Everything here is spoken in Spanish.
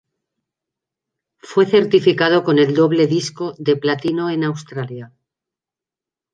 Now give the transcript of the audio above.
Fue certificado con el doble disco de platino en Australia.